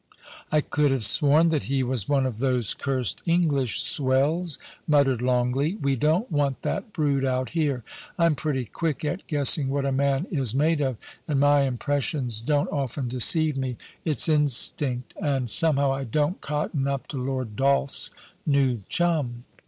* I could have sworn that he was one of those cursed English swells,' muttered Longleat; *we don't want that brood out here. I'm pretty quick at guessing what a man is made of, and my first impressions don't often deceive me. It's instinct ; and somehow I don't cotton up to Lord Dolph's new chum.'